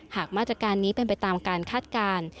หากมาตรการนี้เป็นไปตามการคาดการณ์